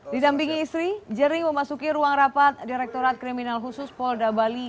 didampingi istri jerings memasuki ruang rapat direkturat kriminal khusus mampolda bali